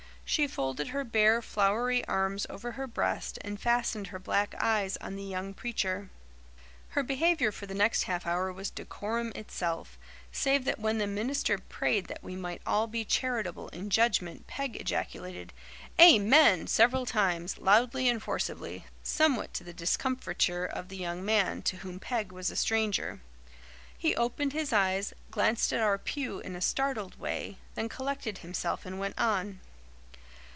She folded her bare, floury arms over her breast and fastened her black eyes on the young preacher. Her behaviour for the next half hour was decorum itself, save that when the minister prayed that we might all be charitable in judgment Peg ejaculated "Amen" several times, loudly and forcibly, somewhat to the discomfiture of the Young man, to whom Peg was a stranger. He opened his eyes, glanced at our pew in a startled way, then collected himself and went on.